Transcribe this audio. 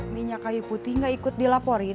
minyak kayu putih nggak ikut dilaporin